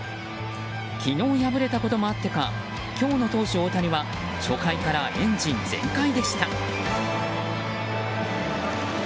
昨日敗れたこともあってか今日の投手・大谷は初回からエンジン全開でした。